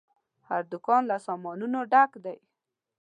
هر دوکان له سامانونو ډک دی.